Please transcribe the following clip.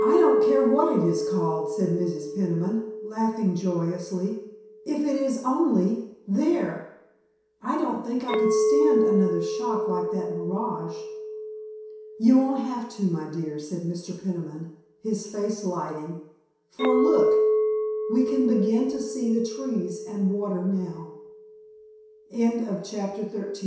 "I don't care what it is called," said Mrs. Peniman, laughing joyously, "if it is only there. I don't think I could stand another shock like that mirage." "You won't have to, my dear," said Mr. Peniman, his face lighting, "for, look, we can begin to see the trees and water now." *CHAPTER XIV* *THE NEW HOM